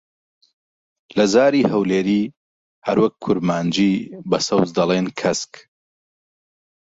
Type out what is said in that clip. لە زاری هەولێری، هەروەک کورمانجی، بە سەوز دەڵێن کەسک.